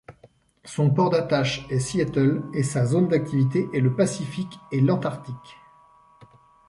Son port d'attache est Seattle et sa zone d'activité est le Pacifique et l'Antarctique.